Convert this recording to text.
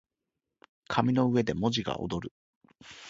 紙の上で文字が躍る